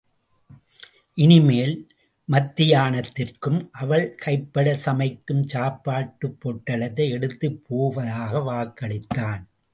இனிமேல் மத்தியானத்திற்கும் அவள் கைப்பட சமைக்கும் சாப்பாட்டுப் பொட்டலத்தை எடுத்துப் போவதாக வாக்களித்தான்.